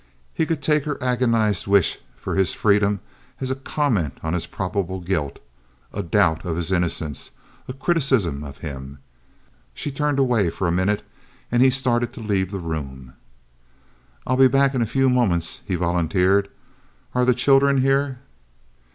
He could take her agonized wish for his freedom as a comment on his probable guilt, a doubt of his innocence, a criticism of him! She turned away for a minute, and he started to leave the room. "I'll be back again in a few moments," he volunteered. "Are the children here?"